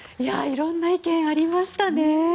色んな意見がありましたね。